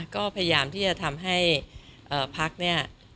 ก็พยายามที่จะทำให้พักเนี่ย